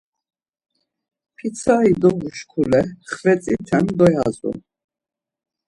Pitsari dovu şkule xvetzite doyazu.